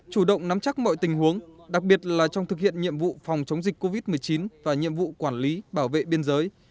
chủ động nắm chắc mọi tình huống đặc biệt là trong thực hiện nhiệm vụ phòng chống dịch covid một mươi chín và nhiệm vụ quản lý bảo vệ biên giới